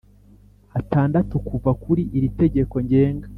atandatu kuva iri Tegeko Ngenga